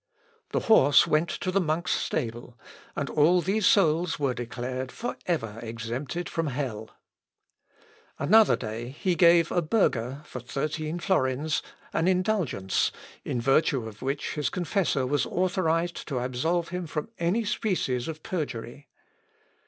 The horse went to the monk's stable, and all these souls were declared for ever exempted from hell. Another day, he give a burgher, for thirteen florins, an indulgence, in virtue of which his confessor was authorised to absolve him from any species of perjury.